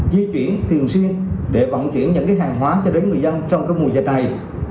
di chuyển thường xuyên để vận chuyển những hàng hóa cho đến người dân trong mùa dịch này